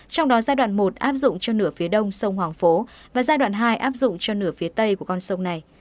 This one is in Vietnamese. trong đó giai đoạn một áp dụng cho nửa phía đông sông hoàng phố và giai đoạn hai áp dụng cho nửa phía tây của con sông này